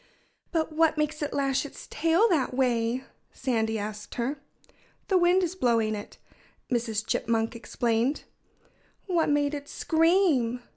"But what makes it lash its tail that way?" Sandy asked her. "The wind is blowing it," Mrs. Chipmunk explained. "What made it scream?"